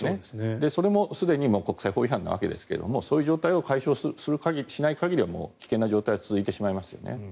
それもすでに国際法違反なわけですがそういう状態を解消しない限りはもう危険な状態は続いてしまいますよね。